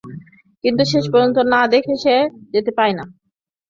কিন্তু শেষ পর্যন্ত না দেখে সে যেতে চায় না।